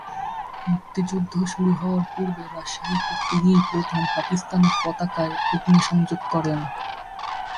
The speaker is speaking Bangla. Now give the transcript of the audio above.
মুক্তিযুদ্ধ শুরু হওয়ার পূর্বে রাজশাহীতে তিনিই প্রথম পাকিস্তানের পতাকায় অগ্নিসংযোগ করেন।